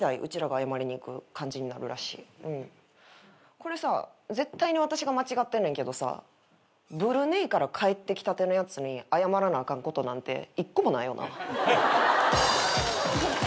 これさ絶対に私が間違ってんねんけどさブルネイから帰ってきたてのやつに謝らなあかんことなんて一個もないよな。